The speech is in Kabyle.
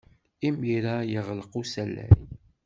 Imir-a, yeɣleq usalay.